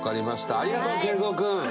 ありがとう敬蔵君！